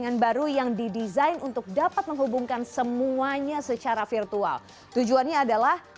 apa yang terjadi